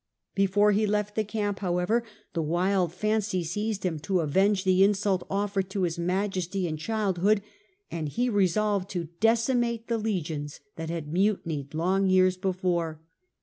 Before he left the camp, 8o The Earlier Empire. a . d . 37 4*. however, the wild fancy seized him to avenge the insult offered to his majesty in childhood, and he resolved to decimate the legions that had mutinied long years before.